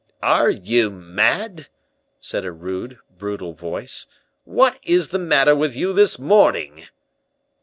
"Are you mad?" said a rude, brutal voice. "What is the matter with you this morning?"